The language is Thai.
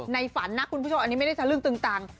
ในฝันน่ะคุณผู้ชมอันนี้ไม่ได้จะเรื่องตึงต่าง